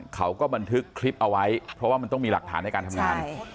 เขาก็บันทึกคลิปเอาไว้เพราะว่ามันต้องมีหลักฐานในการทำงาน